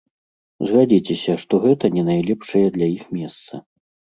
Згадзіцеся, што гэта не найлепшае для іх месца.